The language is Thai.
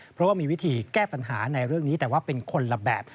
เพราะว่ามีวิธีแก้ปัญหาในเรื่องนี้แต่ว่าเป็นคนละแบบ